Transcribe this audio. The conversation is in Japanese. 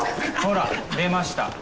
ほら出ました。